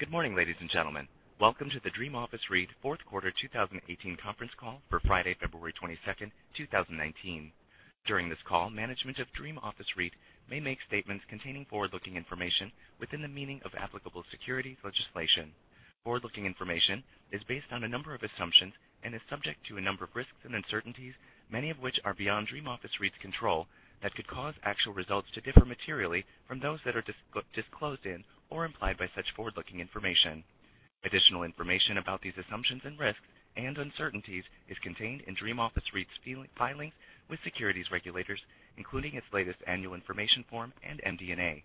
Good morning, ladies and gentlemen. Welcome to the Dream Office REIT Fourth Quarter 2018 Conference Call for Friday, February 22nd, 2019. During this call, management of Dream Office REIT may make statements containing forward-looking information within the meaning of applicable securities legislation. Forward-looking information is based on a number of assumptions and is subject to a number of risks and uncertainties, many of which are beyond Dream Office REIT's control, that could cause actual results to differ materially from those that are disclosed in or implied by such forward-looking information. Additional information about these assumptions and risks and uncertainties is contained in Dream Office REIT's filings with securities regulators, including its latest annual information form and MD&A.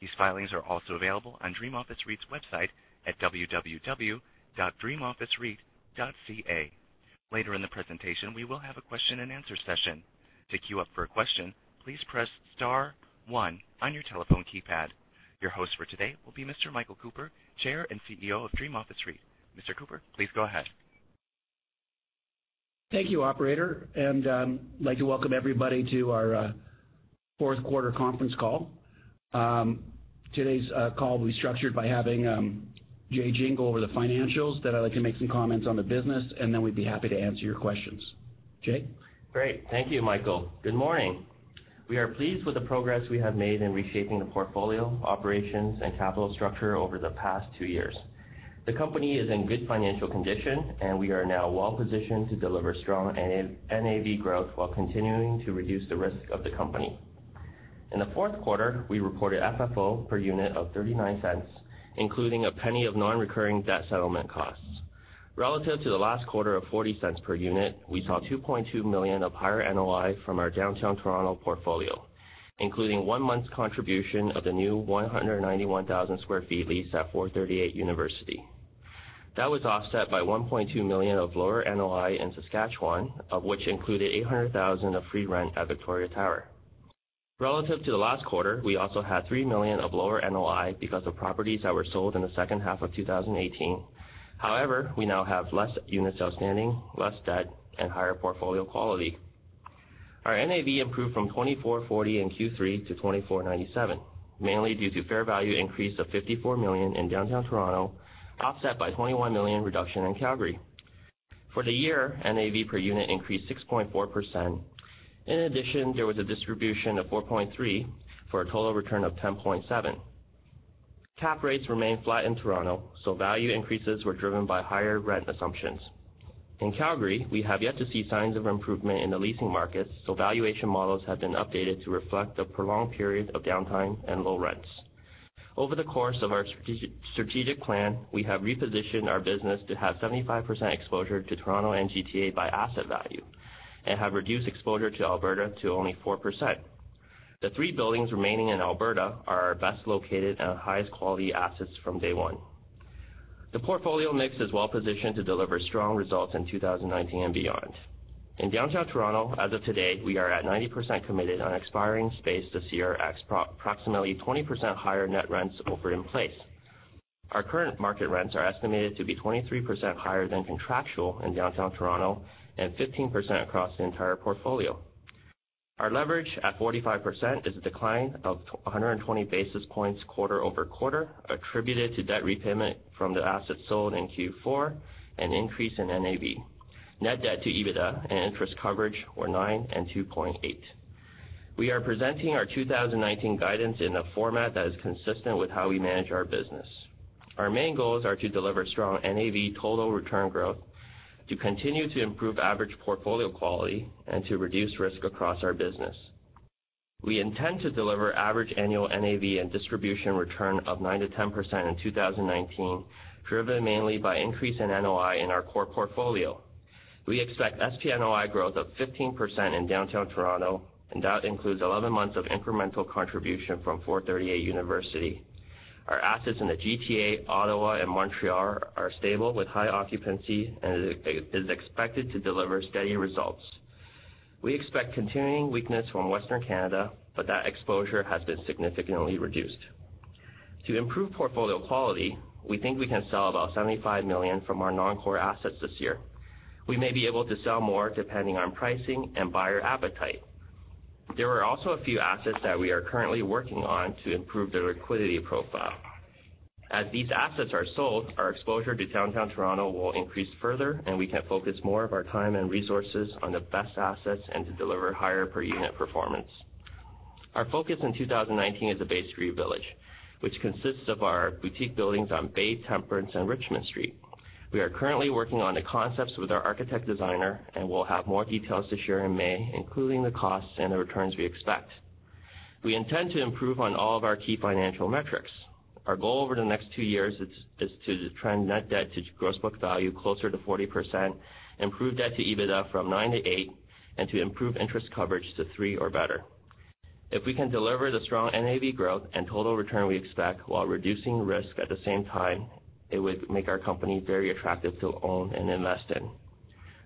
These filings are also available on Dream Office REIT's website at www.dreamofficereit.ca. Later in the presentation, we will have a question-and-answer session. To queue up for a question, please press star one on your telephone keypad. Your host for today will be Mr. Michael Cooper, Chair and CEO of Dream Office REIT. Mr. Cooper, please go ahead. Thank you, operator. I'd like to welcome everybody to our fourth quarter conference call. Today's call will be structured by having Jay Jiang go over the financials. I'd like to make some comments on the business. We'd be happy to answer your questions. Jay? Great. Thank you, Michael. Good morning. We are pleased with the progress we have made in reshaping the portfolio, operations, and capital structure over the past two years. The company is in good financial condition. We are now well positioned to deliver strong NAV growth while continuing to reduce the risk of the company. In the fourth quarter, we reported FFO per unit of 0.39, including CAD 0.01 of non-recurring debt settlement costs. Relative to the last quarter of 0.40 per unit, we saw 2.2 million of higher NOI from our downtown Toronto portfolio, including one month's contribution of the new 191,000 sq ft leased at 438 University. That was offset by 1.2 million of lower NOI in Saskatchewan, of which included 800,000 of free rent at Victoria Tower. Relative to the last quarter, we also had 3 million of lower NOI because of properties that were sold in the second half of 2018. We now have less units outstanding, less debt, and higher portfolio quality. Our NAV improved from 24.40 in Q3 to 24.97, mainly due to fair value increase of 54 million in downtown Toronto, offset by 21 million reduction in Calgary. For the year, NAV per unit increased 6.4%. In addition, there was a distribution of 4.3 million, for a total return of 10.7%. Cap rates remained flat in Toronto, value increases were driven by higher rent assumptions. In Calgary, we have yet to see signs of improvement in the leasing markets, valuation models have been updated to reflect the prolonged period of downtime and low rents. Over the course of our strategic plan, we have repositioned our business to have 75% exposure to Toronto and GTA by asset value and have reduced exposure to Alberta to only 4%. The three buildings remaining in Alberta are our best located and highest quality assets from day one. The portfolio mix is well positioned to deliver strong results in 2019 and beyond. In downtown Toronto, as of today, we are at 90% committed on expiring space this year at approximately 20% higher net rents over in place. Our current market rents are estimated to be 23% higher than contractual in downtown Toronto and 15% across the entire portfolio. Our leverage at 45% is a decline of 120 basis points quarter-over-quarter, attributed to debt repayment from the assets sold in Q4 and increase in NAV. Net debt to EBITDA and interest coverage were nine and 2.8. We are presenting our 2019 guidance in a format that is consistent with how we manage our business. Our main goals are to deliver strong NAV total return growth, to continue to improve average portfolio quality, and to reduce risk across our business. We intend to deliver average annual NAV and distribution return of 9%-10% in 2019, driven mainly by increase in NOI in our core portfolio. We expect SPNOI growth of 15% in downtown Toronto, that includes 11 months of incremental contribution from 438 University. Our assets in the GTA, Ottawa, and Montreal are stable with high occupancy and is expected to deliver steady results. We expect continuing weakness from Western Canada, that exposure has been significantly reduced. To improve portfolio quality, we think we can sell about 75 million from our non-core assets this year. We may be able to sell more depending on pricing and buyer appetite. There are also a few assets that we are currently working on to improve their liquidity profile. As these assets are sold, our exposure to downtown Toronto will increase further, we can focus more of our time and resources on the best assets and to deliver higher per unit performance. Our focus in 2019 is the Bay Street Village, which consists of our boutique buildings on Bay, Temperance, and Richmond Street. We are currently working on the concepts with our architect designer and will have more details to share in May, including the costs and the returns we expect. We intend to improve on all of our key financial metrics. Our goal over the next two years is to trend net debt to gross book value closer to 40%, improve debt to EBITDA from 9%-8%, and to improve interest coverage to 3% or better. If we can deliver the strong NAV growth and total return we expect while reducing risk at the same time, it would make our company very attractive to own and invest in.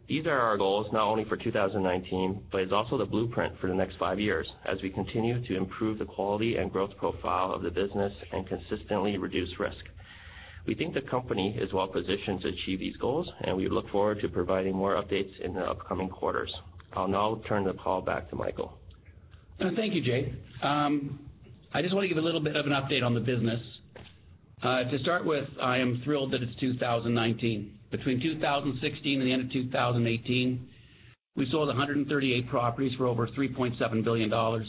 These are our goals not only for 2019, but it's also the blueprint for the next five years as we continue to improve the quality and growth profile of the business and consistently reduce risk. We think the company is well positioned to achieve these goals, and we look forward to providing more updates in the upcoming quarters. I'll now turn the call back to Michael. Thank you, Jay. I just want to give a little bit of an update on the business. To start with, I am thrilled that it's 2019. Between 2016 and the end of 2018, we sold 138 properties for over 3.7 billion dollars.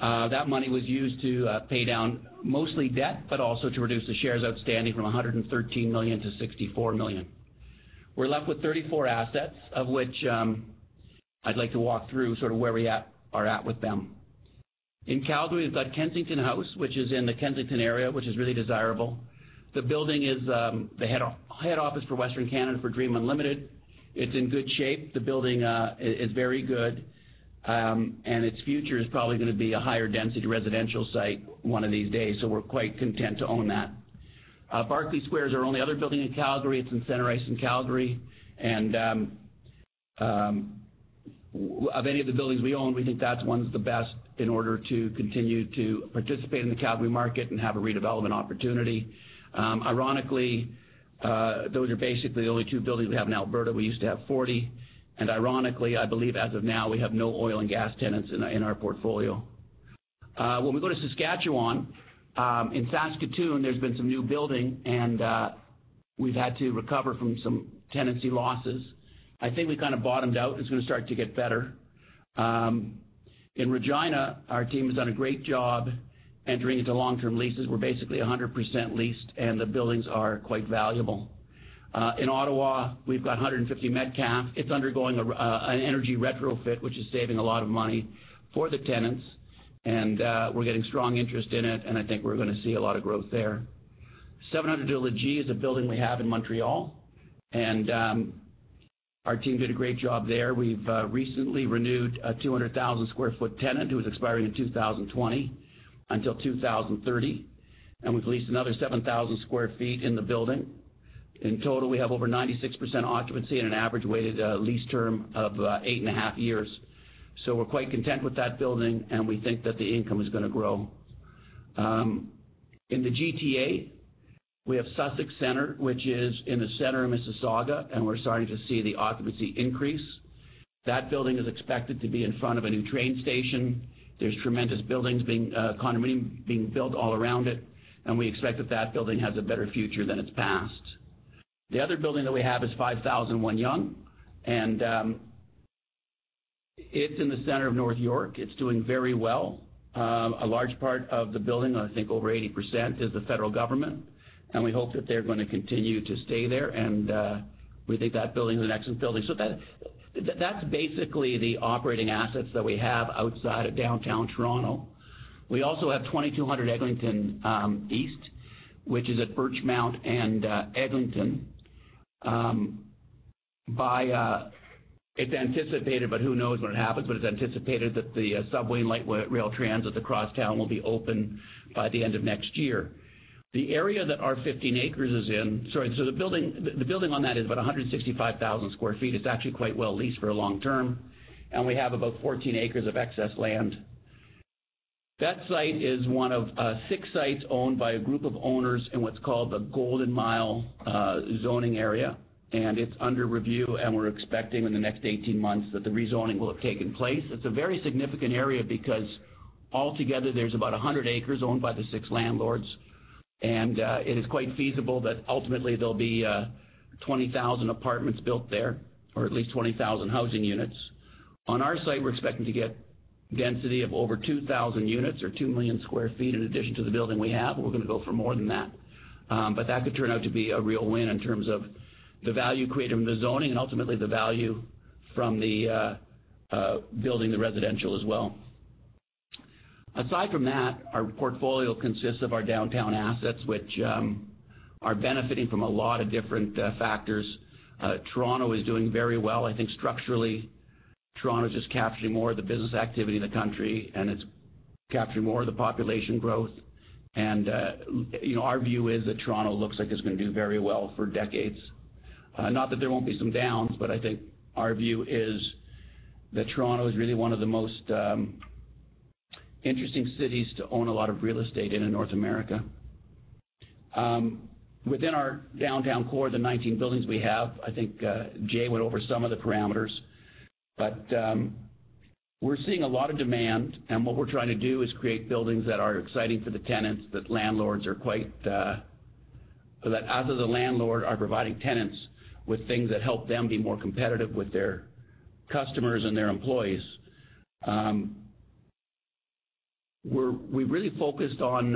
That money was used to pay down mostly debt, but also to reduce the shares outstanding from 113 million-64 million. We're left with 34 assets, of which I'd like to walk through sort of where we are at with them. In Calgary, we've got Kensington House, which is in the Kensington area, which is really desirable. The building is the head office for Western Canada for Dream Unlimited. It's in good shape. The building is very good, its future is probably going to be a higher-density residential site one of these days. We're quite content to own that. Barclay Centre is our only other building in Calgary. It's in Centre Ice in Calgary. Of any of the buildings we own, we think that one's the best in order to continue to participate in the Calgary market and have a redevelopment opportunity. Ironically, those are basically the only two buildings we have in Alberta. We used to have 40. Ironically, I believe as of now, we have no oil and gas tenants in our portfolio. When we go to Saskatchewan, in Saskatoon, there's been some new building, we've had to recover from some tenancy losses. I think we kind of bottomed out. It's going to start to get better. In Regina, our team has done a great job entering into long-term leases. We're basically 100% leased, the buildings are quite valuable. In Ottawa, we've got 150 Metcalfe Street. It's undergoing an energy retrofit, which is saving a lot of money for the tenants, we're getting strong interest in it. I think we're going to see a lot of growth there. 700 de la Gauchetière is a building we have in Montreal, our team did a great job there. We've recently renewed a 200,000 sq ft tenant who was expiring in 2020 until 2030. We've leased another 7,000 sq ft in the building. In total, we have over 96% occupancy and an average weighted lease term of eight and a half years. We're quite content with that building, we think that the income is going to grow. In the GTA, we have Sussex Centre, which is in the center of Mississauga, we're starting to see the occupancy increase. That building is expected to be in front of a new train station. There's tremendous condominiums being built all around it, and we expect that that building has a better future than its past. The other building that we have is 5001 Yonge, and it's in the center of North York. It's doing very well. A large part of the building, I think over 80%, is the federal government, and we hope that they're going to continue to stay there. We think that building is an excellent building. That's basically the operating assets that we have outside of downtown Toronto. We also have 2200 Eglinton East, which is at Birchmount and Eglinton. It's anticipated, but who knows when it happens, but it's anticipated that the subway light rail transit across town will be open by the end of next year. The area that our 15 ac is in. Sorry. The building on that is about 165,000 sq ft. It's actually quite well leased for a long term. We have about 14 ac of excess land. That site is one of six sites owned by a group of owners in what's called the Golden Mile zoning area. It's under review, and we're expecting in the next 18 months that the rezoning will have taken place. It's a very significant area because altogether there's about 100 ac owned by the six landlords, and it is quite feasible that ultimately there'll be 20,000 apartments built there, or at least 20,000 housing units. On our site, we're expecting to get density of over 2,000 units or 2 million sq ft in addition to the building we have, but we're going to go for more than that. That could turn out to be a real win in terms of the value created from the zoning and ultimately the value from the building, the residential as well. Aside from that, our portfolio consists of our downtown assets, which are benefiting from a lot of different factors. Toronto is doing very well. I think structurally, Toronto is just capturing more of the business activity in the country, and it's capturing more of the population growth. Our view is that Toronto looks like it's going to do very well for decades. Not that there won't be some downs, but I think our view is that Toronto is really one of the most interesting cities to own a lot of real estate in in North America. Within our downtown core, the 19 buildings we have, I think Jay went over some of the parameters. We're seeing a lot of demand, and what we're trying to do is create buildings that are exciting for the tenants, that as the landlord, are providing tenants with things that help them be more competitive with their customers and their employees. We really focused on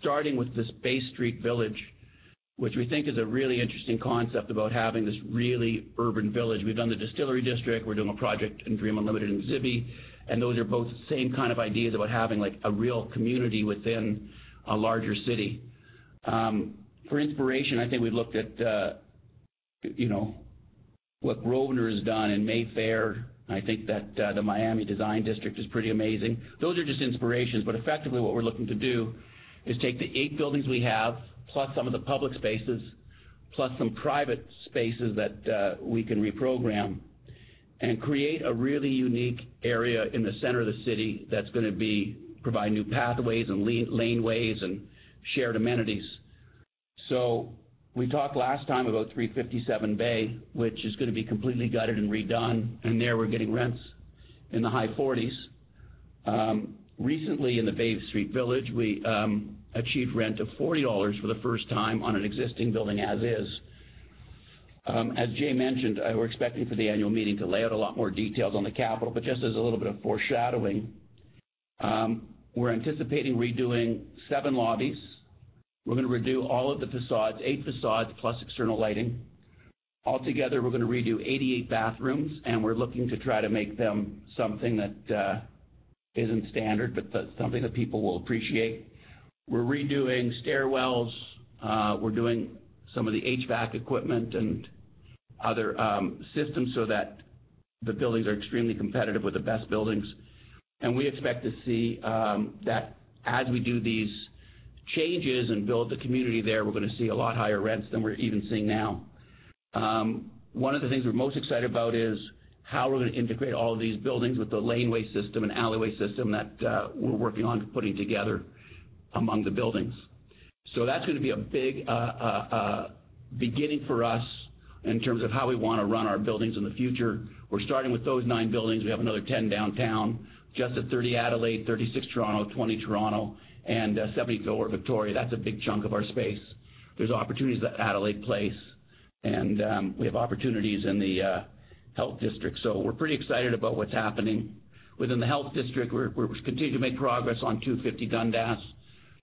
starting with this Bay Street Village, which we think is a really interesting concept about having this really urban village. We've done the Distillery District. We're doing a project in Dream Unlimited in Zibi. Those are both the same kind of ideas about having a real community within a larger city. For inspiration, I think we looked at what Grosvenor has done in Mayfair. I think that the Miami Design District is pretty amazing. Those are just inspirations, effectively what we're looking to do is take the eight buildings we have, plus some of the public spaces, plus some private spaces that we can reprogram and create a really unique area in the center of the city that's going to provide new pathways and laneways and shared amenities. We talked last time about 357 Bay, which is going to be completely gutted and redone. There we're getting rents in the high CAD 40s. Recently in the Bay Street Village, we achieved rent of 40 dollars for the first time on an existing building as is. As Jay mentioned, we're expecting for the annual meeting to lay out a lot more details on the capital, just as a little bit of foreshadowing, we're anticipating redoing seven lobbies. We're going to redo all of the facades, eight facades, plus external lighting. Altogether, we're going to redo 88 bathrooms, and we're looking to try to make them something that isn't standard, but something that people will appreciate. We're redoing stairwells. We're doing some of the HVAC equipment and other systems so that the buildings are extremely competitive with the best buildings. We expect to see that as we do these changes and build the community there, we're going to see a lot higher rents than we're even seeing now. One of the things we're most excited about is how we're going to integrate all of these buildings with the laneway system and alleyway system that we're working on putting together among the buildings. That's going to be a big beginning for us in terms of how we want to run our buildings in the future. We're starting with those nine buildings. We have another 10 downtown, just at 30 Adelaide, 36 Toronto, 20 Toronto, and 70 Lower Victoria. That's a big chunk of our space. There's opportunities at Adelaide Place, and we have opportunities in the health district. We're pretty excited about what's happening within the health district. We continue to make progress on 250 Dundas.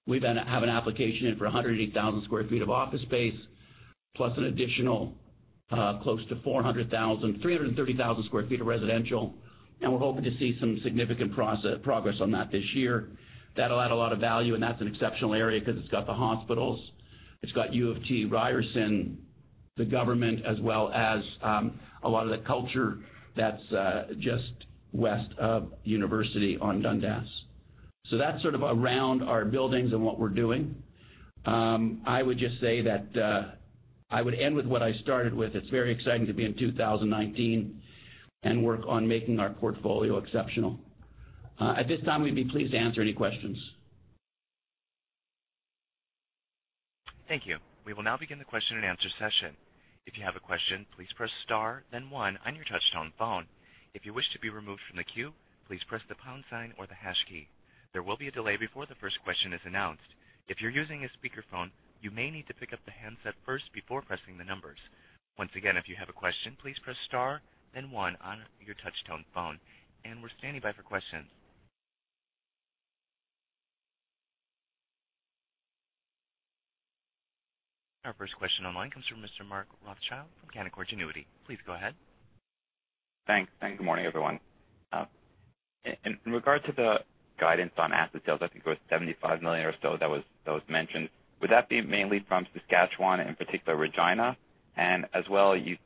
We then have an application in for 180,000 sq ft of office space, plus an additional close to 400,000 sq ft, 330,000 sq ft of residential. We're hoping to see some significant progress on that this year. That'll add a lot of value, and that's an exceptional area because it's got the hospitals, it's got U of T, Ryerson, the government, as well as a lot of the culture that's just west of University on Dundas. That's sort of around our buildings and what we're doing. I would just say that I would end with what I started with. It's very exciting to be in 2019 and work on making our portfolio exceptional. At this time, we'd be pleased to answer any questions. Thank you. We will now begin the question-and-answer session. If you have a question, please press star then one on your touchtone phone. If you wish to be removed from the queue, please press the pound sign or the hash key. There will be a delay before the first question is announced. If you're using a speakerphone, you may need to pick up the handset first before pressing the numbers. Once again, if you have a question, please press star then one on your touchtone phone. We're standing by for questions. Our first question online comes from Mr. Mark Rothschild from Canaccord Genuity. Please go ahead. Thanks. Good morning, everyone. In regard to the guidance on asset sales, I think it was 75 million or so that was mentioned. Would that be mainly from Saskatchewan, in particular Regina? As well, you've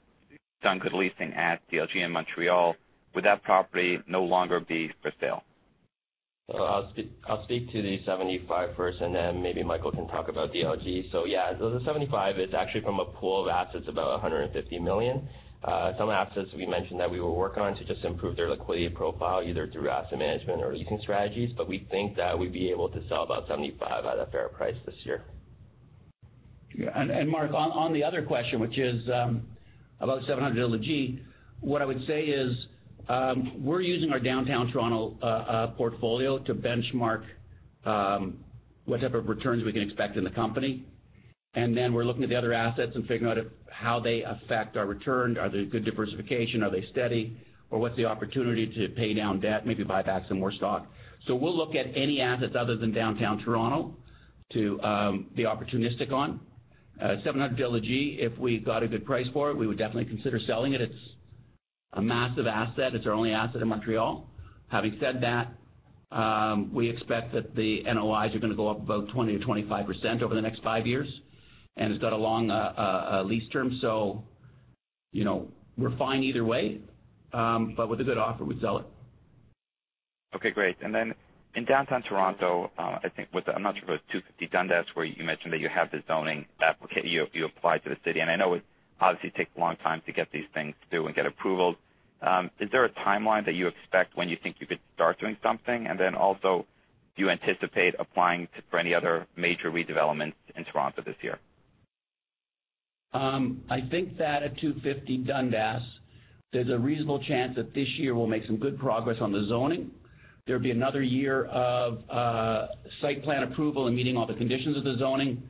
done good leasing at DLG in Montreal. Would that property no longer be for sale? I'll speak to the 75 million first, then maybe Michael can talk about DLG. Yeah, the 75 million is actually from a pool of assets, about 150 million. Some assets we mentioned that we were working on to just improve their liquidity profile, either through asset management or leasing strategies. We think that we'd be able to sell about 75 million at a fair price this year. Mark, on the other question, which is about 700 de la Gauchetière. What I would say is, we're using our downtown Toronto portfolio to benchmark what type of returns we can expect in the company. Then we're looking at the other assets and figuring out how they affect our return. Are they good diversification? Are they steady? What's the opportunity to pay down debt, maybe buy back some more stock? We'll look at any assets other than downtown Toronto to be opportunistic on. 700 de la Gauchetière, if we got a good price for it, we would definitely consider selling it. It's a massive asset. It's our only asset in Montreal. Having said that, we expect that the NOIs are going to go up about 20%-25% over the next five years, and it's got a long lease term. We're fine either way. With a good offer, we'd sell it. Okay, great. In downtown Toronto, I think with, I'm not sure if it's 250 Dundas where you mentioned that you have the zoning application, you applied to the city, and I know it obviously takes a long time to get these things through and get approvals. Is there a timeline that you expect when you think you could start doing something? Also, do you anticipate applying for any other major redevelopments in Toronto this year? I think that at 250 Dundas, there's a reasonable chance that this year we'll make some good progress on the zoning. There'll be another year of site plan approval and meeting all the conditions of the zoning.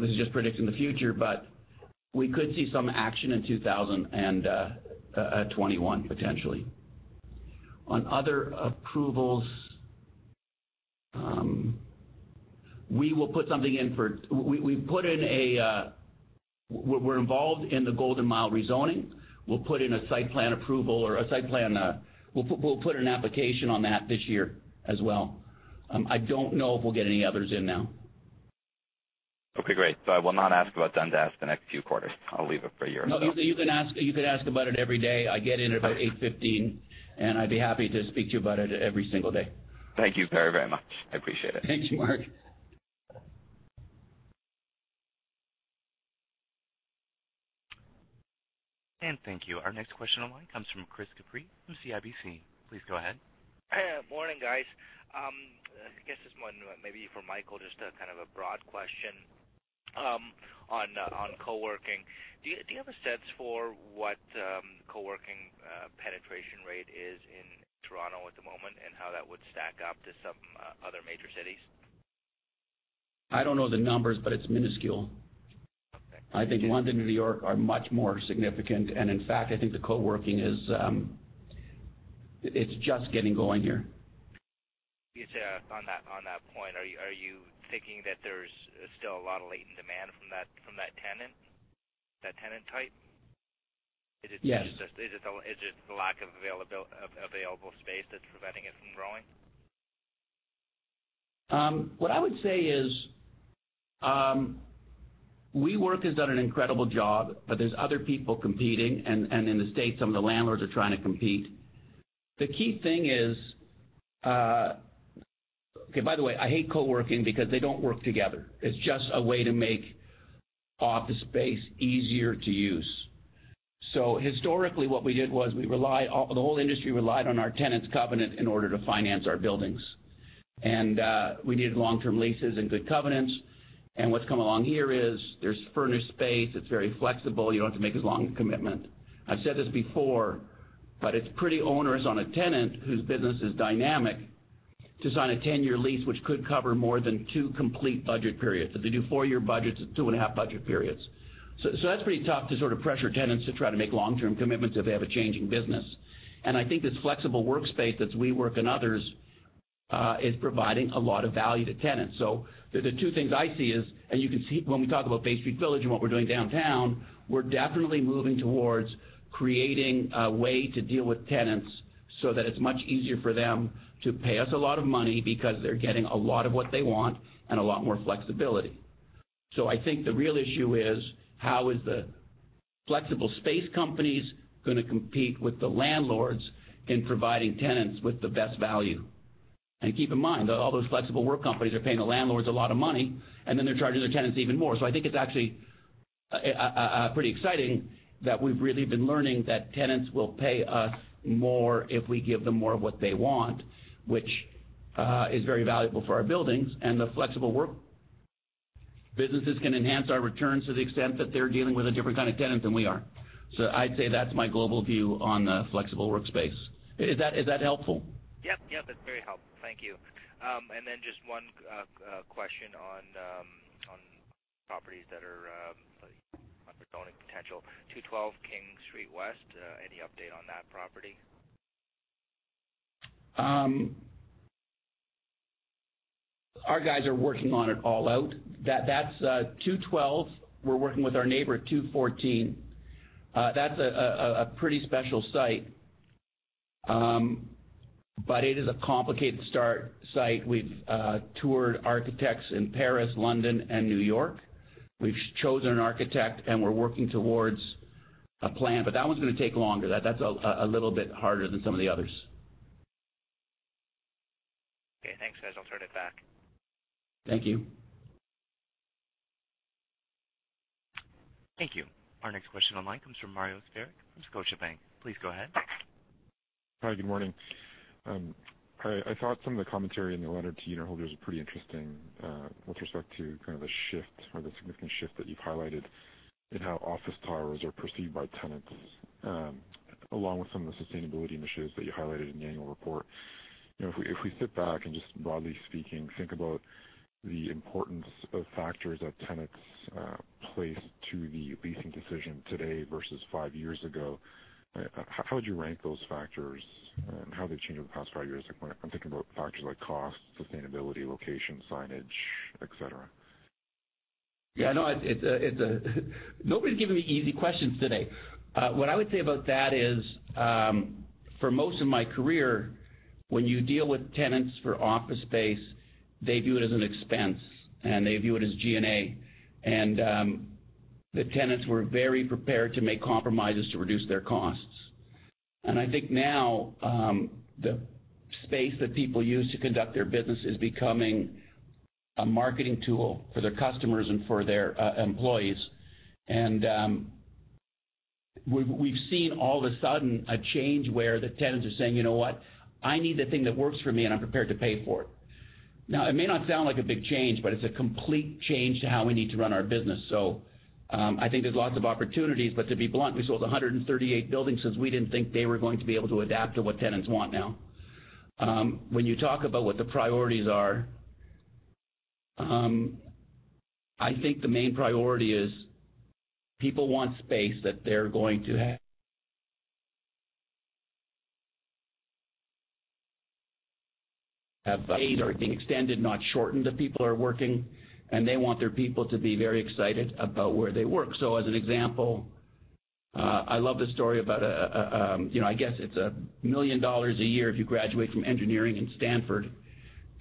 This is just predicting the future, but we could see some action in 2021, potentially. On other approvals, we're involved in the Golden Mile rezoning. We'll put in a site plan approval or a site plan. We'll put an application on that this year as well. I don't know if we'll get any others in now. Okay, great. I will not ask about Dundas the next few quarters. I'll leave it for you. No. You can ask about it every day. I get in about 8:15 A.M., I'd be happy to speak to you about it every single day. Thank you very, very much. I appreciate it. Thank you, Mark. Thank you. Our next question online comes from Chris Couprie from CIBC. Please go ahead. Morning, guys. I guess this one maybe for Michael, just a kind of a broad question on co-working. Do you have a sense for what co-working penetration rate is in Toronto at the moment, and how that would stack up to some other major cities? I don't know the numbers, but it's minuscule. Okay. I think London and New York are much more significant, and in fact, I think the co-working is just getting going here. Yes. On that point, are you thinking that there's still a lot of latent demand from that tenant type? Yes. Is it the lack of available space that's preventing it from growing? What I would say is WeWork has done an incredible job, but there's other people competing, and in the U.S., some of the landlords are trying to compete. Okay, by the way, I hate co-working because they don't work together. It's just a way to make office space easier to use. Historically what we did was the whole industry relied on our tenants covenant in order to finance our buildings. We needed long-term leases and good covenants. What's come along here is there's furnished space. It's very flexible. You don't have to make as long a commitment. I've said this before, but it's pretty onerous on a tenant whose business is dynamic to sign a 10-year lease, which could cover more than two complete budget periods. If they do four-year budgets, it's two and a half budget periods. That's pretty tough to sort of pressure tenants to try to make long-term commitments if they have a changing business. I think this flexible workspace that WeWork and others is providing a lot of value to tenants. The two things I see is, and you can see when we talk about Bay Street Village and what we're doing downtown, we're definitely moving towards creating a way to deal with tenants so that it's much easier for them to pay us a lot of money because they're getting a lot of what they want and a lot more flexibility. I think the real issue is how is the flexible space companies going to compete with the landlords in providing tenants with the best value? Keep in mind that all those flexible work companies are paying the landlords a lot of money, and then they're charging their tenants even more. I think it's actually pretty exciting that we've really been learning that tenants will pay us more if we give them more of what they want, which is very valuable for our buildings. The flexible work businesses can enhance our returns to the extent that they're dealing with a different kind of tenant than we are. I'd say that's my global view on the flexible workspace. Is that helpful? Yep, that's very helpful. Thank you. Then just one question on properties that are potential. 212 King Street West, any update on that property? Our guys are working on it all out. That's 212. We're working with our neighbor at 214. That's a pretty special site. It is a complicated site. We've toured architects in Paris, London, and New York. We've chosen an architect, and we're working towards a plan. That one's going to take longer. That's a little bit harder than some of the others. Okay, thanks, guys. I'll turn it back. Thank you. Thank you. Our next question online comes from Mario Saric from Scotiabank. Please go ahead. Hi, good morning. I thought some of the commentary in the letter to unitholders are pretty interesting with respect to kind of the shift or the significant shift that you've highlighted in how office towers are perceived by tenants along with some of the sustainability initiatives that you highlighted in the annual report. If we sit back and just broadly speaking, think about the importance of factors that tenants place to the leasing decision today versus five years ago, how would you rank those factors and how they've changed over the past five years? I'm thinking about factors like cost, sustainability, location, signage, et cetera. Yeah, I know. Nobody's giving me easy questions today. What I would say about that is for most of my career, when you deal with tenants for office space, they view it as an expense, and they view it as G&A. The tenants were very prepared to make compromises to reduce their costs. I think now the space that people use to conduct their business is becoming a marketing tool for their customers and for their employees. We've seen all of a sudden a change where the tenants are saying, "You know what? I need the thing that works for me, and I'm prepared to pay for it." It may not sound like a big change, but it's a complete change to how we need to run our business. I think there's lots of opportunities. To be blunt, we sold 138 buildings because we didn't think they were going to be able to adapt to what tenants want now. When you talk about what the priorities are, I think the main priority is people want space that they're going to have are being extended, not shortened, that people are working, and they want their people to be very excited about where they work. As an example, I love the story about, I guess it's 1 million dollars a year if you graduate from engineering in Stanford.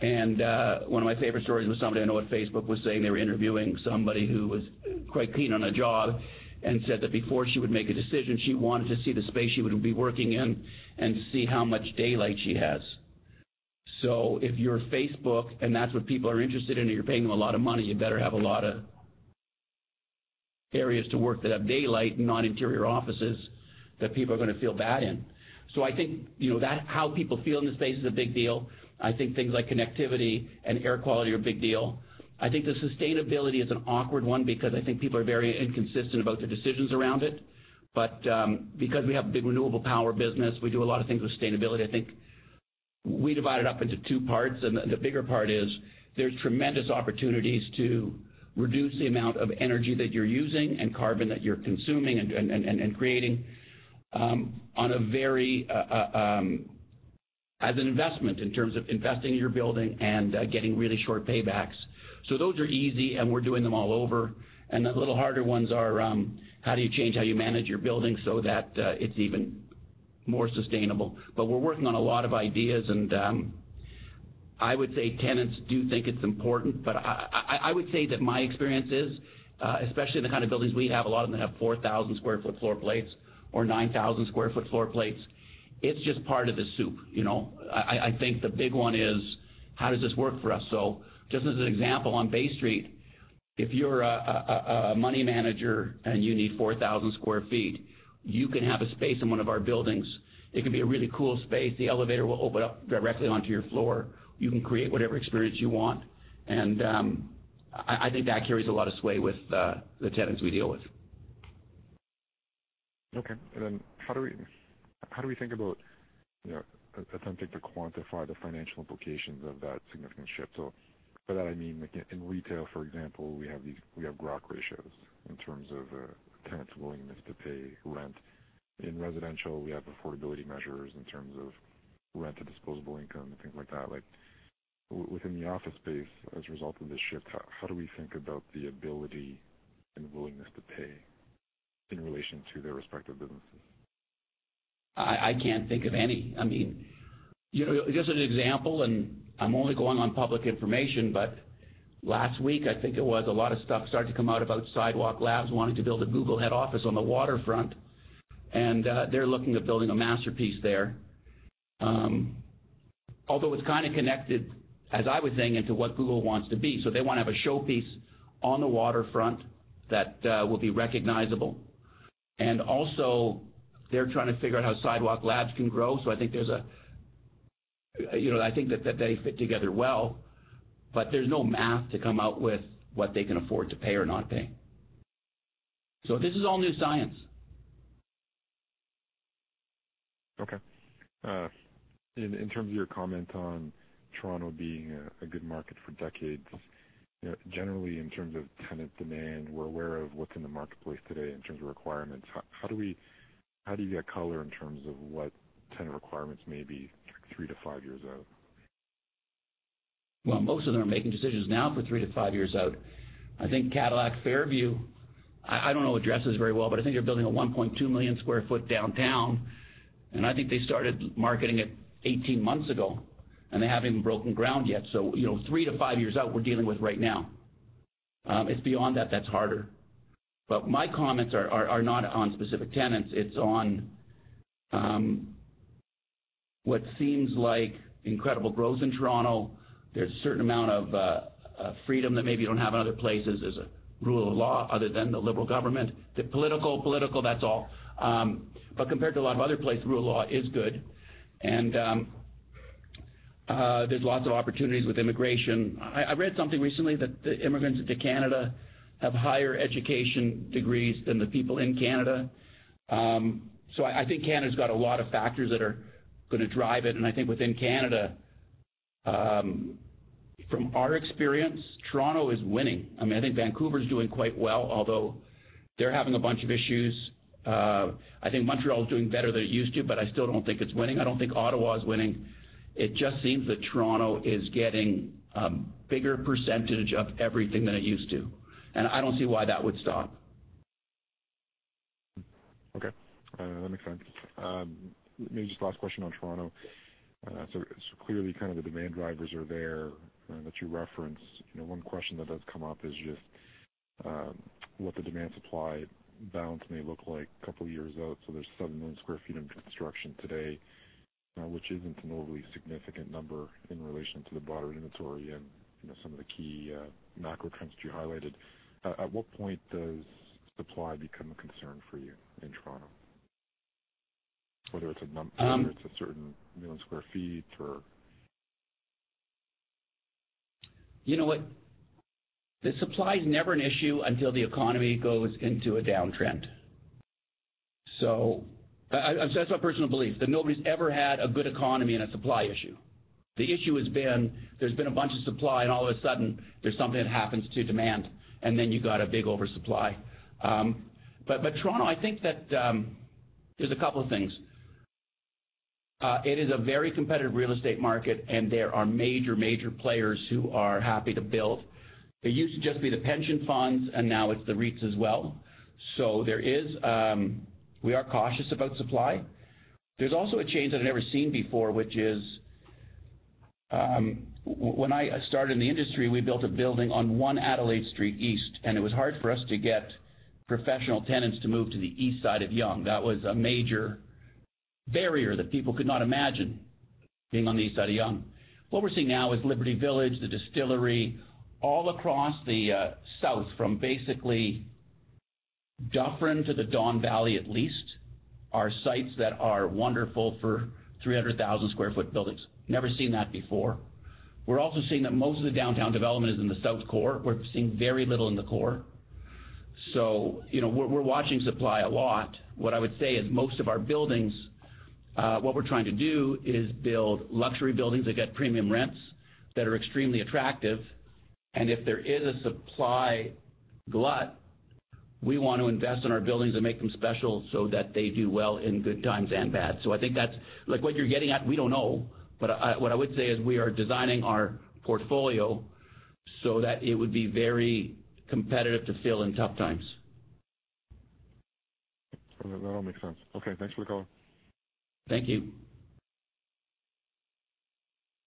One of my favorite stories was somebody I know at Facebook was saying they were interviewing somebody who was quite keen on a job and said that before she would make a decision, she wanted to see the space she would be working in and see how much daylight she has. If you're Facebook, and that's what people are interested in, and you're paying them a lot of money, you better have a lot of areas to work that have daylight and not interior offices that people are going to feel bad in. I think how people feel in the space is a big deal. I think things like connectivity and air quality are a big deal. I think the sustainability is an awkward one because I think people are very inconsistent about the decisions around it. Because we have a big renewable power business, we do a lot of things with sustainability. I think we divide it up into two parts, and the bigger part is there's tremendous opportunities to reduce the amount of energy that you're using and carbon that you're consuming and creating as an investment in terms of investing in your building and getting really short paybacks. Those are easy, and we're doing them all over. The little harder ones are how do you change how you manage your building so that it's even more sustainable? We're working on a lot of ideas, and I would say tenants do think it's important. I would say that my experience is, especially in the kind of buildings we have, a lot of them have 4,000 sq ft floor plates or 9,000 sq ft floor plates. It's just part of the soup. I think the big one is how does this work for us? Just as an example, on Bay Street, if you're a money manager and you need 4,000 sq ft, you can have a space in one of our buildings. It can be a really cool space. The elevator will open up directly onto your floor. You can create whatever experience you want, and I think that carries a lot of sway with the tenants we deal with. Okay. How do we think about attempting to quantify the financial implications of that significant shift? By that I mean, in retail, for example, we have GROK ratios in terms of a tenant's willingness to pay rent. In residential, we have affordability measures in terms of rent to disposable income and things like that. Within the office space, as a result of this shift, how do we think about the ability and willingness to pay in relation to their respective businesses? I can't think of any. Just as an example, and I'm only going on public information, but last week, I think it was, a lot of stuff started to come out about Sidewalk Labs wanting to build a Google head office on the waterfront, and they're looking at building a masterpiece there. Although it's kind of connected, as I was saying, into what Google wants to be. They want to have a showpiece on the waterfront that will be recognizable. Also they're trying to figure out how Sidewalk Labs can grow. I think that they fit together well, but there's no math to come out with what they can afford to pay or not pay. This is all new science. Okay. In terms of your comment on Toronto being a good market for decades, generally in terms of tenant demand, we're aware of what's in the marketplace today in terms of requirements. How do you get color in terms of what tenant requirements may be three to five years out? Well, most of them are making decisions now for three to five years out. I think Cadillac Fairview, I don't know addresses very well, but I think they're building a 1.2-million-square-foot downtown, and I think they started marketing it 18 months ago, and they haven't even broken ground yet. Three to five years out, we're dealing with right now. It's beyond that's harder. My comments are not on specific tenants. It's on what seems like incredible growth in Toronto. There's a certain amount of freedom that maybe you don't have in other places as a rule of law, other than the Liberal government. The political, that's all. Compared to a lot of other places, rule of law is good. There's lots of opportunities with immigration. I read something recently that the immigrants to Canada have higher education degrees than the people in Canada. I think Canada's got a lot of factors that are going to drive it. I think within Canada, from our experience, Toronto is winning. I think Vancouver's doing quite well, although they're having a bunch of issues. I think Montreal is doing better than it used to, but I still don't think it's winning. I don't think Ottawa is winning. It just seems that Toronto is getting a bigger percentage of everything than it used to. I don't see why that would stop. Okay. That makes sense. Maybe just last question on Toronto. Clearly kind of the demand drivers are there that you referenced. One question that does come up is just what the demand supply balance may look like a couple of years out. There's 7 million square feet under construction today, which isn't an overly significant number in relation to the broader inventory and some of the key macro trends that you highlighted. At what point does supply become a concern for you in Toronto? Whether it's a certain million square feet or You know what? The supply is never an issue until the economy goes into a downtrend. That's my personal belief, that nobody's ever had a good economy and a supply issue. The issue has been there's been a bunch of supply, and all of a sudden there's something that happens to demand, and then you got a big oversupply. Toronto, I think that there's a couple of things. It is a very competitive real estate market, and there are major players who are happy to build. It used to just be the pension funds, and now it's the REITs as well. We are cautious about supply. There's also a change that I've never seen before, which is when I started in the industry, we built a building on 1 Adelaide Street East, and it was hard for us to get professional tenants to move to the east side of Yonge. That was a major barrier that people could not imagine being on the east side of Yonge. What we're seeing now is Liberty Village, the distillery, all across the south from basically Dufferin to the Don Valley at least, are sites that are wonderful for 300,000 sq ft buildings. Never seen that before. We're also seeing that most of the downtown development is in the south core. We're seeing very little in the core. We're watching supply a lot. What I would say is most of our buildings, what we're trying to do is build luxury buildings that get premium rents that are extremely attractive, and if there is a supply glut, we want to invest in our buildings and make them special so that they do well in good times and bad. I think that's what you're getting at, we don't know, but what I would say is we are designing our portfolio so that it would be very competitive to fill in tough times. That all makes sense. Okay. Thanks, Michael. Thank you.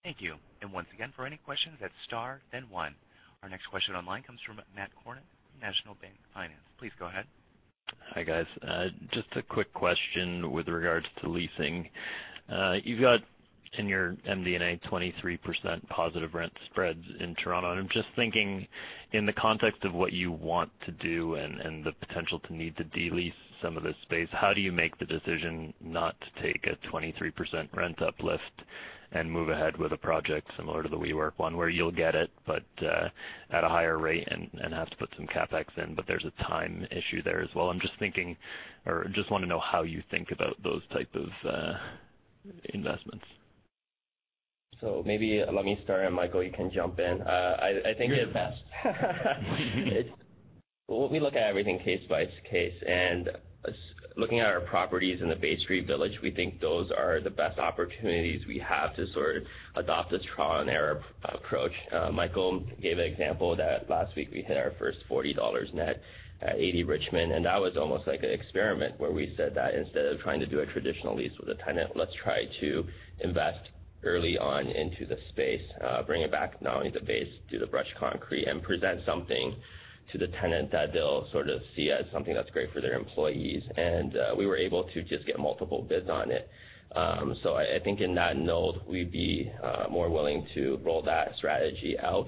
Thank you. Once again, for any questions, hit star then one. Our next question online comes from Matt Kornack, National Bank Financial. Please go ahead. Hi, guys. Just a quick question with regards to leasing. You've got in your MD&A 23% positive rent spreads in Toronto, and I'm just thinking in the context of what you want to do and the potential to need to de-lease some of this space, how do you make the decision not to take a 23% rent uplift and move ahead with a project similar to the WeWork one where you'll get it, but at a higher rate and have to put some CapEx in, but there's a time issue there as well. I'm just thinking, or just want to know how you think about those type of investments. Maybe let me start and Michael, you can jump in. I think- You're the best. We look at everything case by case, and looking at our properties in the Bay Street Village, we think those are the best opportunities we have to sort of adopt this trial and error approach. Michael gave an example that last week we hit our first 40 dollars net at 80 Richmond, and that was almost like an experiment where we said that instead of trying to do a traditional lease with a tenant, let's try to invest early on into the space. Bring it back, not only to base, do the brush concrete and present something to the tenant that they'll sort of see as something that's great for their employees. We were able to just get multiple bids on it. I think in that note, we'd be more willing to roll that strategy out.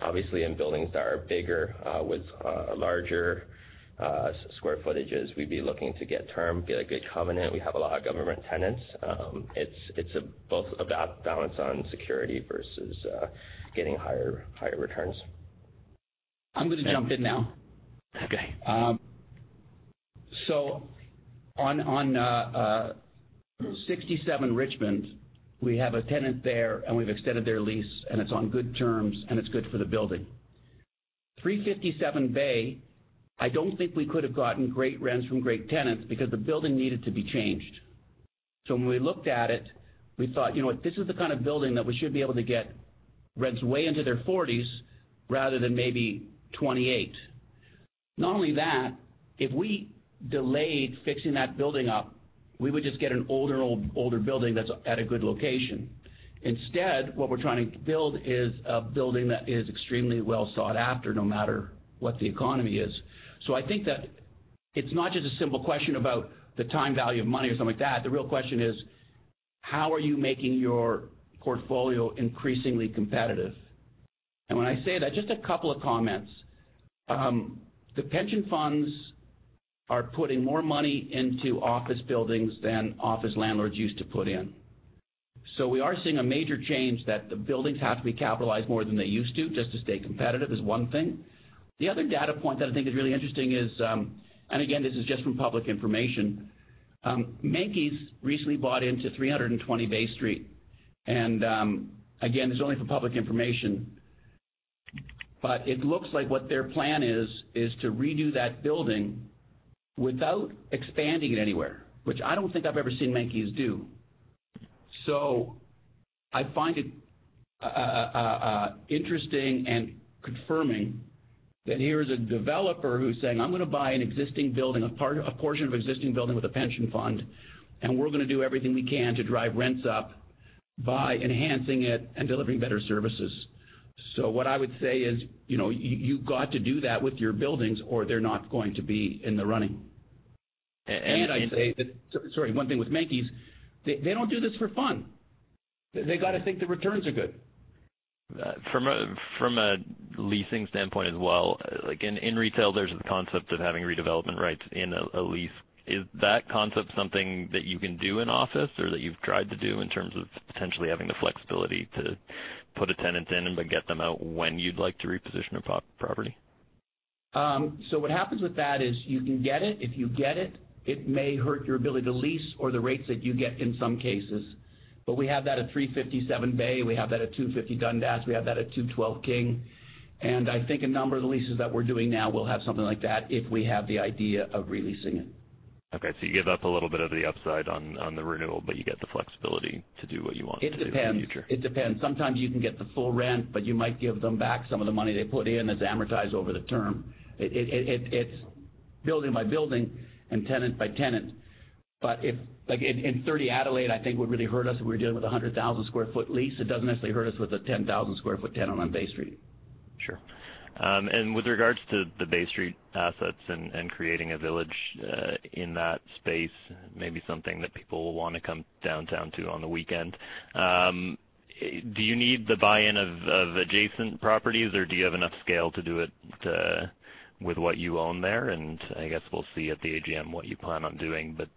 Obviously in buildings that are bigger with larger square footages, we'd be looking to get term, get a good covenant. We have a lot of government tenants. It's both about balance on security versus getting higher returns. I'm going to jump in now. Okay. On 67 Richmond, we have a tenant there, and we've extended their lease and it's on good terms and it's good for the building. 357 Bay, I don't think we could've gotten great rents from great tenants because the building needed to be changed. When we looked at it, we thought, "You know what? This is the kind of building that we should be able to get rents way into their CAD 40s rather than maybe 28." Not only that, if we delayed fixing that building up, we would just get an older building that's at a good location. Instead, what we're trying to build is a building that is extremely well sought after no matter what the economy is. I think that it's not just a simple question about the time value of money or something like that. The real question is how are you making your portfolio increasingly competitive? When I say that, just a couple of comments. The pension funds are putting more money into office buildings than office landlords used to put in. We are seeing a major change that the buildings have to be capitalized more than they used to just to stay competitive is one thing. The other data point that I think is really interesting is, again this is just from public information, Menkes recently bought into 320 Bay Street. Again, this is only from public information, but it looks like what their plan is to redo that building without expanding it anywhere, which I don't think I've ever seen Menkes do. I find it interesting and confirming that here is a developer who's saying, "I'm going to buy an existing building, a portion of existing building with a pension fund, and we're going to do everything we can to drive rents up by enhancing it and delivering better services." What I would say is you've got to do that with your buildings or they're not going to be in the running. And. I'd say. Sorry. One thing with Menkes, they don't do this for fun. They've got to think the returns are good. From a leasing standpoint as well, like in retail there's the concept of having redevelopment rights in a lease. Is that concept something that you can do in office or that you've tried to do in terms of potentially having the flexibility to put a tenant in but get them out when you'd like to reposition a property? What happens with that is you can get it. If you get it may hurt your ability to lease or the rates that you get in some cases. We have that at 357 Bay, we have that at 250 Dundas, we have that at 212 King. I think a number of the leases that we're doing now will have something like that if we have the idea of re-leasing it. Okay. You give up a little bit of the upside on the renewal but you get the flexibility to do what you want to do in the future. It depends. Sometimes you can get the full rent, but you might give them back some of the money they put in that's amortized over the term. It's building by building and tenant by tenant. If, like in 30 Adelaide, I think it would really hurt us if we were dealing with a 100,000 sq ft lease. It doesn't necessarily hurt us with a 10,000 sq ft tenant on Bay Street. Sure. With regards to the Bay Street assets and creating a village in that space, maybe something that people will want to come downtown to on the weekend. Do you need the buy-in of adjacent properties, or do you have enough scale to do it with what you own there? I guess we'll see at the AGM what you plan on doing, but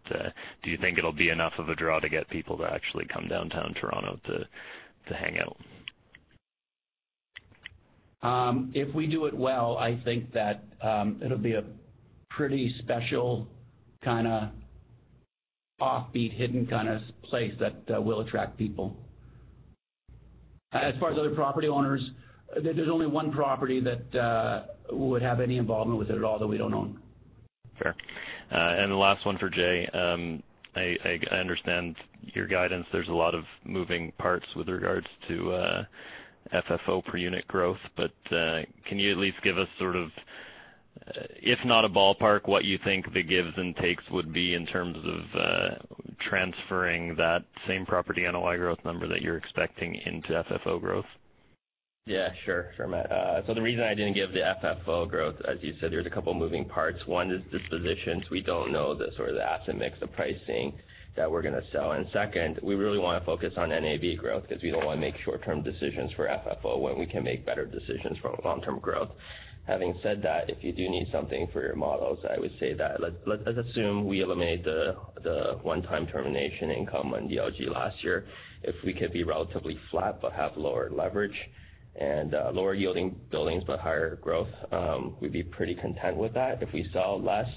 do you think it'll be enough of a draw to get people to actually come to downtown Toronto to hang out? If we do it well, I think that it'll be a pretty special kind of offbeat, hidden place that will attract people. As far as other property owners, there's only one property that would have any involvement with it at all that we don't own. Fair. The last one for Jay. I understand your guidance. There's a lot of moving parts with regards to FFO per unit growth. Can you at least give us, if not a ballpark, what you think the gives and takes would be in terms of transferring that same property NOI growth number that you're expecting into FFO growth? Yeah, sure, Matt. The reason I didn't give the FFO growth, as you said, there's a couple of moving parts. One is dispositions. We don't know the sort of the asset mix, the pricing that we're going to sell. Second, we really want to focus on NAV growth because we don't want to make short-term decisions for FFO when we can make better decisions for long-term growth. Having said that, if you do need something for your models, I would say that, let's assume we eliminate the one-time termination income on DLG last year. If we could be relatively flat but have lower leverage and lower yielding buildings but higher growth, we'd be pretty content with that. If we sell less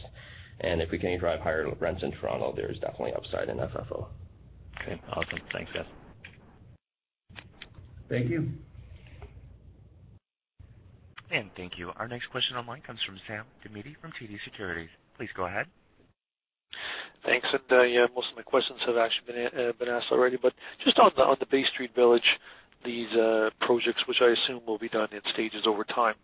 and if we can drive higher rents in Toronto, there is definitely upside in FFO. Okay, awesome. Thanks, guys. Thank you. Thank you. Our next question online comes from Sam Damiani from TD Securities. Please go ahead. Thanks. Most of my questions have actually been asked already. Just on the Bay Street Village, these projects, which I assume will be done in stages over time,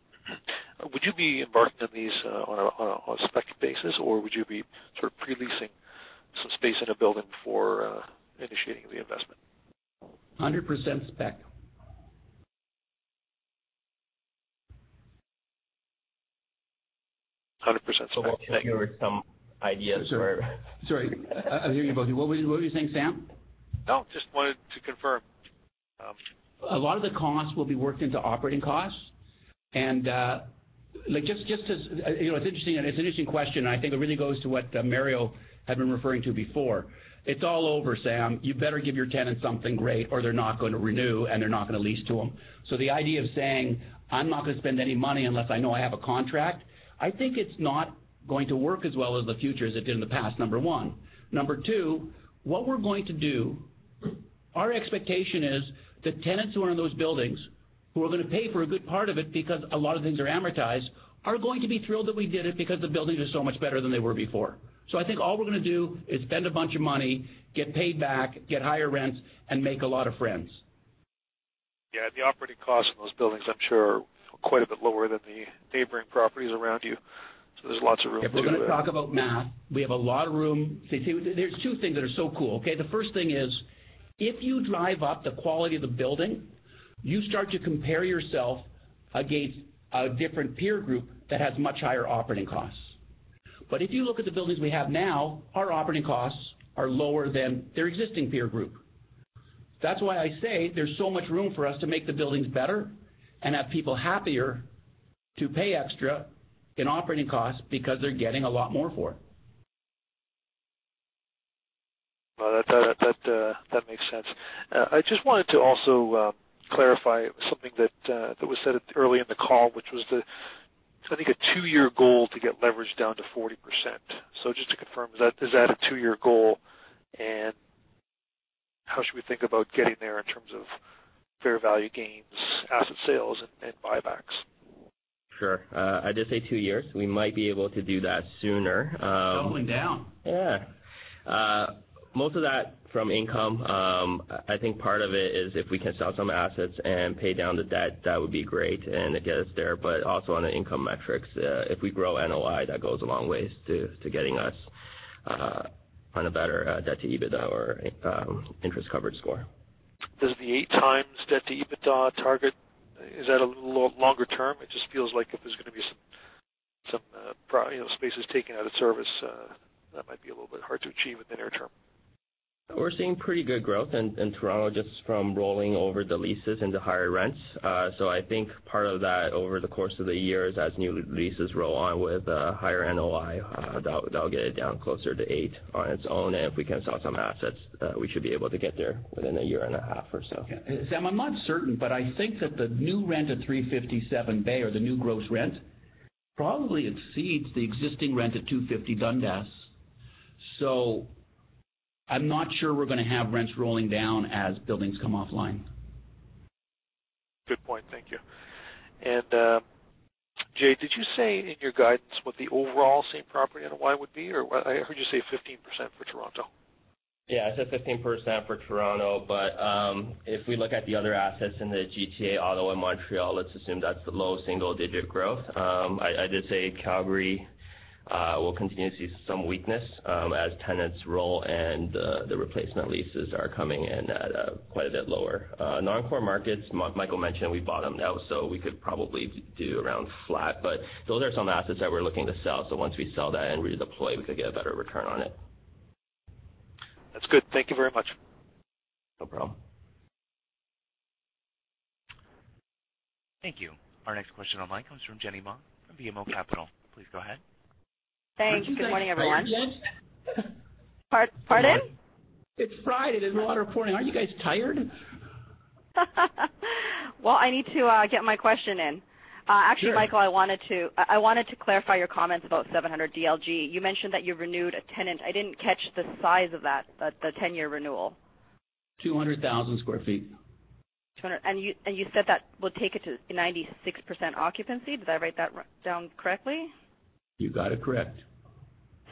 would you be embarking on these on a spec basis, or would you be sort of pre-leasing some space in a building before initiating the investment? 100% spec. 100% spec. There were some ideas where. Sorry. I hear you both. What were you saying, Sam? No, just wanted to confirm. A lot of the costs will be worked into operating costs. It's an interesting question, and I think it really goes to what Mario had been referring to before. It's all over, Sam. You better give your tenant something great or they're not going to renew, and they're not going to lease to them. The idea of saying, "I'm not going to spend any money unless I know I have a contract," I think it's not going to work as well in the future as it did in the past, number one. Number two, what we're going to do, our expectation is the tenants who are in those buildings, who are going to pay for a good part of it because a lot of things are amortized, are going to be thrilled that we did it because the buildings are so much better than they were before. I think all we're going to do is spend a bunch of money, get paid back, get higher rents, and make a lot of friends. Yeah. The operating costs on those buildings, I'm sure, are quite a bit lower than the neighboring properties around you. There's lots of room for you there. If we're going to talk about math, we have a lot of room. See, there's two things that are so cool, okay? The first thing is, if you drive up the quality of the building, you start to compare yourself against a different peer group that has much higher operating costs. If you look at the buildings we have now, our operating costs are lower than their existing peer group. That's why I say there's so much room for us to make the buildings better and have people happier to pay extra in operating costs because they're getting a lot more for it. Well, that makes sense. I just wanted to also clarify something that was said early in the call, which was the, I think, a two-year goal to get leverage down to 40%. Just to confirm, is that a two-year goal, and how should we think about getting there in terms of fair value gains, asset sales, and buybacks? Sure. I did say two years. We might be able to do that sooner. It's going down. Yeah. Most of that from income. I think part of it is if we can sell some assets and pay down the debt, that would be great, and it gets us there. Also on the income metrics, if we grow NOI, that goes a long way to getting us on a better debt to EBITDA or interest coverage score. Does the 8x debt to EBITDA target, is that a little longer term? It just feels like if there's going to be some spaces taken out of service, that might be a little bit hard to achieve within your term. We're seeing pretty good growth in Toronto just from rolling over the leases into higher rents. I think part of that over the course of the year is as new leases roll on with higher NOI, that'll get it down closer to eight on its own. If we can sell some assets, we should be able to get there within a year and a half or so. Sam, I'm not certain, I think that the new rent at 357 Bay, or the new gross rent, probably exceeds the existing rent at 250 Dundas. I'm not sure we're going to have rents rolling down as buildings come offline. Good point. Thank you. Jay, did you say in your guidance what the overall same property NOI would be, or I heard you say 15% for Toronto? I said 15% for Toronto, if we look at the other assets in the GTA, Ottawa, Montreal, let's assume that's the low single-digit growth. I did say Calgary will continue to see some weakness as tenants roll and the replacement leases are coming in at quite a bit lower. Non-core markets, Michael mentioned we bought them out, we could probably do around flat. Those are some assets that we're looking to sell. Once we sell that and redeploy, we could get a better return on it. That's good. Thank you very much. No problem. Thank you. Our next question online comes from Jenny Ma from BMO Capital. Please go ahead. Thanks. Good morning, everyone. Aren't you guys tired yet? Pardon? It's Friday. There's a lot of reporting. Aren't you guys tired? Well, I need to get my question in. Sure. Actually, Michael, I wanted to clarify your comments about 700 DLG. You mentioned that you renewed a tenant. I didn't catch the size of that, the 10-year renewal. 200,000 sq ft. 200. You said that will take it to 96% occupancy. Did I write that down correctly? You got it correct.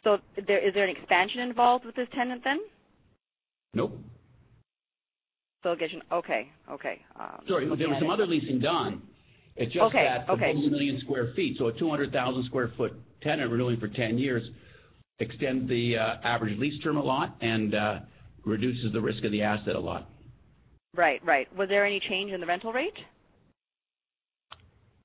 Is there an expansion involved with this tenant, then? Nope. Okay. Sorry, there was some other leasing done. Okay. It's just that 1 million square feet, so a 200,000 sq ft tenant renewing for 10 years extend the average lease term a lot and reduces the risk of the asset a lot. Right. Was there any change in the rental rate?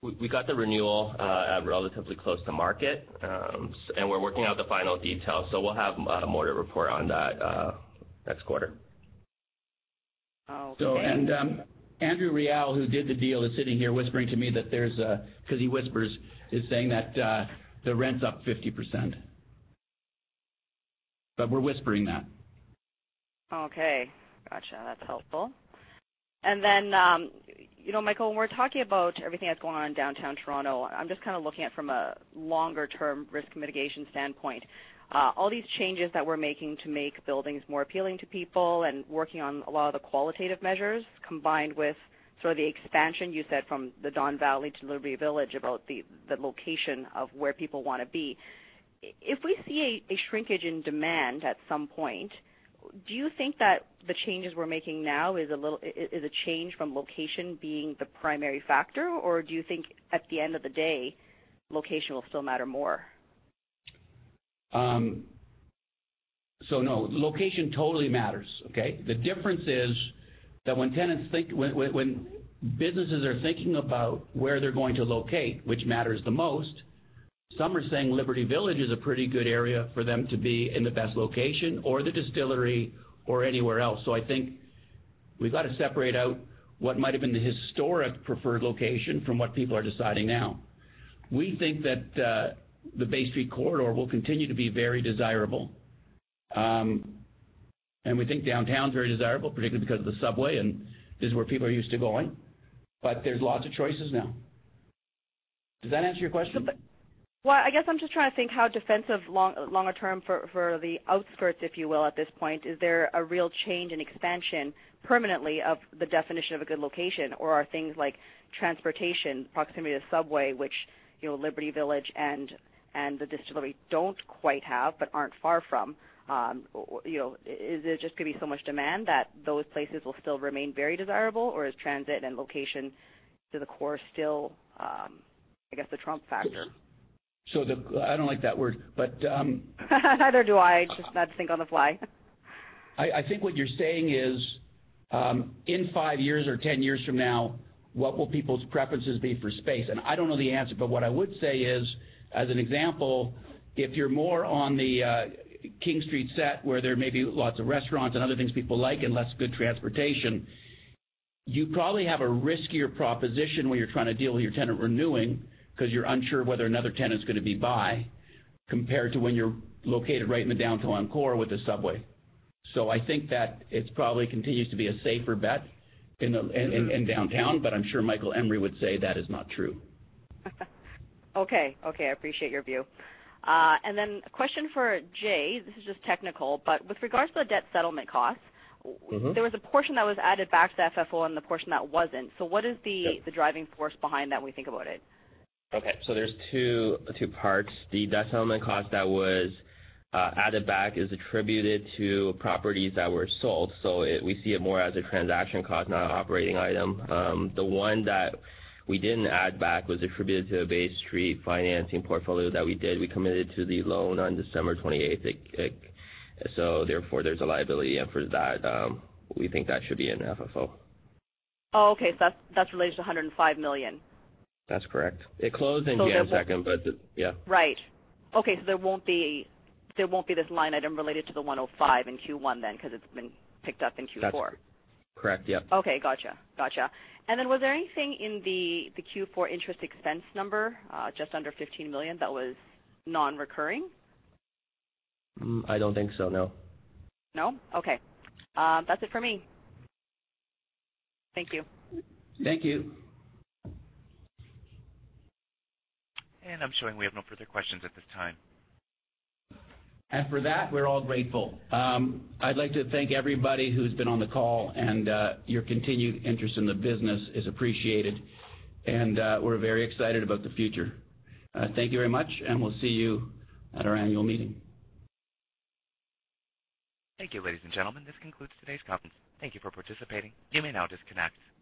We got the renewal at relatively close to market, and we're working out the final details. We'll have more to report on that next quarter. Oh, okay. Andrew Real, who did the deal, is sitting here whispering to me that there's a Because he whispers, is saying that the rent's up 50%. We're whispering that. Okay, got you. That's helpful. Michael, when we're talking about everything that's going on in downtown Toronto, I'm just kind of looking at, from a longer-term risk mitigation standpoint. All these changes that we're making to make buildings more appealing to people and working on a lot of the qualitative measures, combined with sort of the expansion you said from the Don Valley to Liberty Village about the location of where people want to be. If we see a shrinkage in demand at some point, do you think that the changes we're making now is a change from location being the primary factor, or do you think at the end of the day, location will still matter more? No, location totally matters. Okay. The difference is that when businesses are thinking about where they are going to locate, which matters the most, some are saying Liberty Village is a pretty good area for them to be in the best location, or the Distillery, or anywhere else. I think we have got to separate out what might have been the historic preferred location from what people are deciding now. We think that the Bay Street corridor will continue to be very desirable. We think downtown is very desirable, particularly because of the subway and is where people are used to going. There is lots of choices now. Does that answer your question? Well, I guess I am just trying to think how defensive longer term for the outskirts, if you will, at this point. Is there a real change in expansion permanently of the definition of a good location? Are things like transportation, proximity to subway, which Liberty Village and the Distillery do not quite have, but are not far from. Is there just going to be so much demand that those places will still remain very desirable, or is transit and location to the core still, I guess, the trump factor? I do not like that word. Neither do I. Just had to think on the fly. I think what you're saying is, in five years or 10 years from now, what will people's preferences be for space? I don't know the answer, but what I would say is, as an example, if you're more on the King Street set where there may be lots of restaurants and other things people like and less good transportation, you probably have a riskier proposition when you're trying to deal with your tenant renewing because you're unsure whether another tenant's going to be by, compared to when you're located right in the downtown core with the subway. I think that it probably continues to be a safer bet in Downtown, but I'm sure Michael Emory would say that is not true. Okay. I appreciate your view. Then a question for Jay. This is just technical, but with regards to the debt settlement cost- there was a portion that was added back to FFO and the portion that wasn't. What is the- Yep the driving force behind that, we think about it? There's two parts. The debt settlement cost that was added back is attributed to properties that were sold. We see it more as a transaction cost, not an operating item. The one that we didn't add back was attributed to a Bay Street financing portfolio that we did. We committed to the loan on December 28th. Therefore, there's a liability, and for that, we think that should be in FFO. Okay. That's related to 105 million? That's correct. It closed in January 2nd. Right. Okay. There won't be this line item related to the 105 in Q1 because it's been picked up in Q4. That's correct. Yep. Okay. Gotcha. Was there anything in the Q4 interest expense number, just under 15 million, that was non-recurring? I don't think so, no. No? Okay. That's it for me. Thank you. Thank you. I'm showing we have no further questions at this time. For that, we're all grateful. I'd like to thank everybody who's been on the call, and your continued interest in the business is appreciated. We're very excited about the future. Thank you very much, and we'll see you at our annual meeting. Thank you, ladies and gentlemen. This concludes today's conference. Thank you for participating. You may now disconnect.